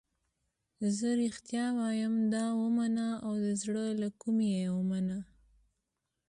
زه رښتیا وایم دا ومنه او د زړه له کومې یې ومنه.